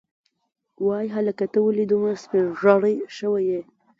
وای هلکه ته ولې دومره سپینږیری شوی یې.